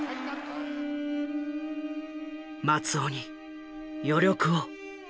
「松尾に余力を」。